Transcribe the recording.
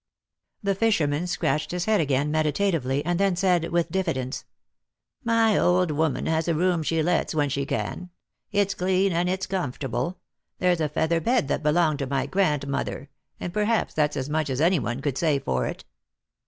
" The fisherman scratched his head again meditatively, and then said, with diffidence :" My old woman has a room she lets, when she can. It's clean and it's comfortable — there's a feather bed that belonged to my grandmother — and perhaps that's as much as any one could say for it."